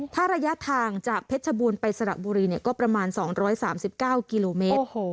ถ้าระยะทางจากเพชรบูรณ์ไปสระบุรีก็ประมาณ๒๓๙กิโลเมตร